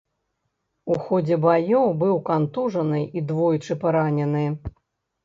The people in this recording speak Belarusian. У ходзе баёў быў кантужаны і двойчы паранены.